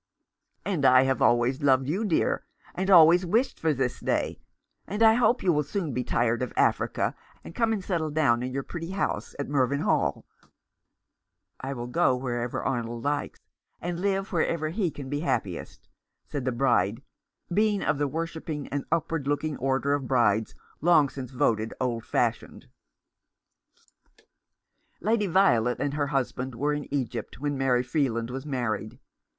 " And I have always loved you, dear ; and always wished for this day. And I hope you will soon be tired of Africa, and come and settle down in your pretty house at Mervynhall." " I will go wherever Arnold likes, and live wherever he can be happiest," said the bride, being of the worshipping and upward looking order of brides long since voted old fashioned. 390 The Enemy and Avenger. Lady Violet and her husband were in Egypt when Mary Freeland was married.